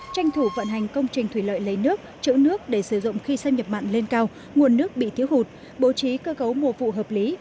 tranh thủ vận hành công trình thủy lợi lấy nước chữ nước để sử dụng khi xâm nhập mặn lên cao nguồn nước bị thiếu hụt bố trí cơ cấu mùa vụ hợp lý